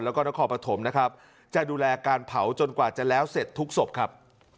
แล้วก็นครปฐมนะครับจะดูแลการเผาจนกว่าจะแล้วเสร็จทุกศพครับ